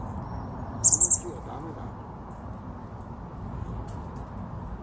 その木は駄目だ。